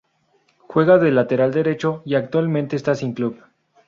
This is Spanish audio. Juega de lateral derecho, y actualmente está sin club.